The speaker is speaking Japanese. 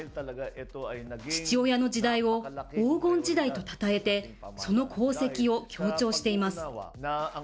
父親の時代を黄金時代とたたえて、その功績を強調しています。